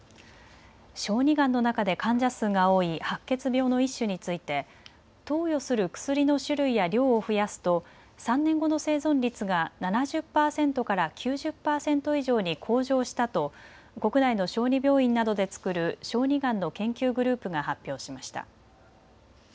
小児がんの中で患者数が多い白血病の一種について投与する薬の種類や量を増やすと３年後の生存率が７０％から９０％以上に向上したと国内の小児病院などで作る小児がんの研究グループが発表しました。